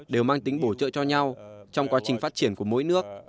đều mang tính bổ trợ cho nhau trong quá trình phát triển của mỗi nước